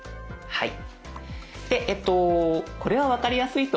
はい。